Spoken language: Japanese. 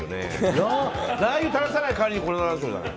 ラー油垂らさない代わりに粉山椒じゃない？